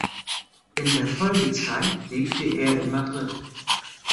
In der Folgezeit lebte er in Madrid.